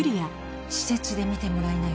施設で見てもらいなよ。